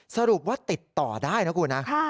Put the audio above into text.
สรุปว่าติดต่อได้นะคุณนะ